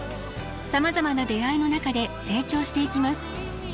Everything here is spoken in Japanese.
さまざまな出会いの中で成長していきます。